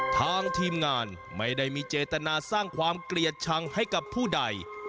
ทางทีมงานไม่ได้มีเจตนาสร้างความเกลียดชังให้กับผู้ใด